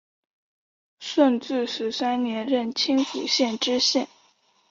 顺治十三年任青浦县知县。